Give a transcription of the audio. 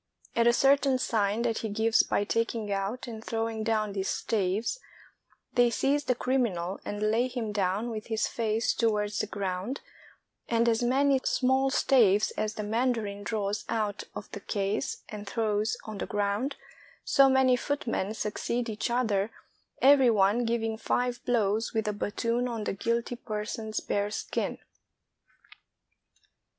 At a certain sign that he gives by taking out and throw ing down these staves, they seize the criminal and lay him down with his face towards the ground, and as many small staves as the mandarin draws out of the case and throws on the ground, so many footmen succeed each other, every one giving five blows with a battoon on the guilty person's bare skin.